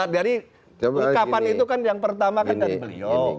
dari ungkapan itu kan yang pertama kan dari beliau